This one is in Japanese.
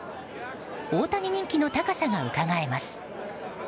大谷人気の高さがうかがえます。